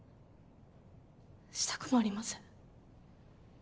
したくもありません。